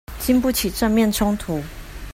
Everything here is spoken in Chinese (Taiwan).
禁不起正面衝突